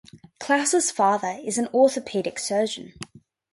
Close's father is an orthopedic surgeon.